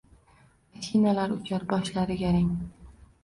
Mashinalar uchar boshlari garang